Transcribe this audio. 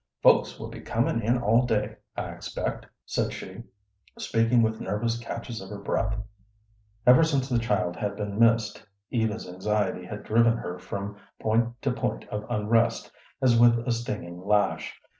"Folks will be comin' in all day, I expect," said she, speaking with nervous catches of her breath. Ever since the child had been missed, Eva's anxiety had driven her from point to point of unrest as with a stinging lash.